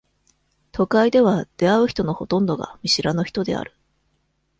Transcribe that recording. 都会では、出会う人のほとんどが、見知らぬ人である。